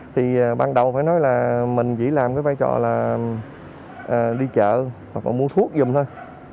thì ban đầu phải nói là mình chỉ làm cái vai trò là đi chợ hoặc là mua thuốc dùng thôi